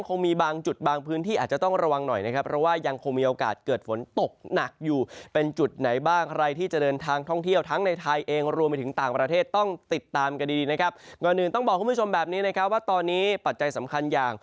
ก่อนหนึ่งต้องบอกคุณผู้ชมแบบนี้นะครับว่าตอนนี้ปัจจัยสำคัญอย่าง